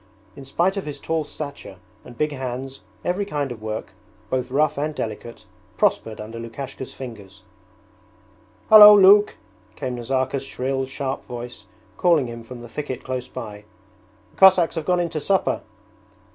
In spite of his tall stature and big hands every kind of work, both rough and delicate, prospered under Lukashka's fingers. 'Hallo, Luke!' came Nazarka's shrill, sharp voice calling him from the thicket close by. 'The Cossacks have gone in to supper.'